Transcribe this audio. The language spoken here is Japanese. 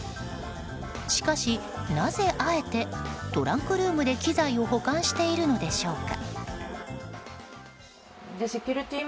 しかし、なぜあえてトランクルームで機材を保管しているのでしょうか。